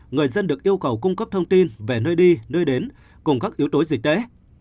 người dân được yêu cầu cung cấp thông tin về nơi đi nơi đến cùng các yếu tố dịch tễ